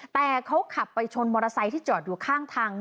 แต่เขาขับไปชนมอเตอร์ไซค์ที่จอดอยู่ข้างทาง